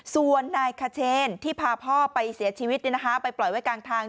ส่วนนายขเชนที่พาพ่อไปเสียชีวิตไปปล่อยไว้กลางทาง